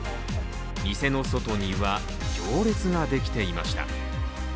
店の外には行列ができていました。